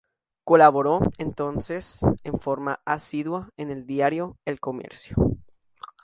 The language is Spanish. Colaboró entonces en forma asidua en el diario "El Comercio".